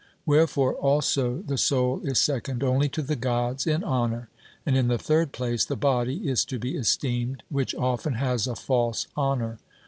Wherefore also the soul is second only to the Gods in honour, and in the third place the body is to be esteemed, which often has a false honour.